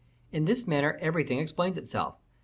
In this manner everything explains itself.